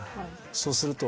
そうすると。